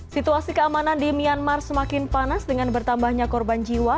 situasi keamanan di myanmar semakin panas dengan bertambahnya korban jiwa